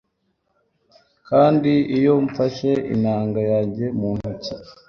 kandi iyo mfashe inanga yanjye mu ntoki